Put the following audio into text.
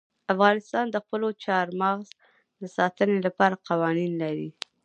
افغانستان د خپلو چار مغز د ساتنې لپاره قوانین لري.